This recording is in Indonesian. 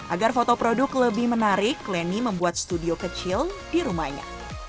agar foto produk lebih menarik lenny membuat studio kecil di rumahnya